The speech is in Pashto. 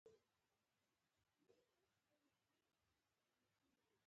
د حاصل د خرابي مخنیوی د ښه بسته بندۍ سره شونی دی.